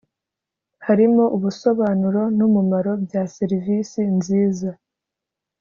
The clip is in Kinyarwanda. harimo ubusobanuro n’umumaro bya serivisi nziza